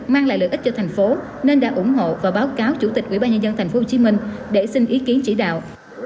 mang lại lợi ích cho thành phố nên đã ủng hộ và báo cáo chủ tịch ubnd tp hcm để xin ý kiến chỉ đạo